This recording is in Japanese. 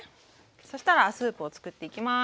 そしたらスープをつくっていきます。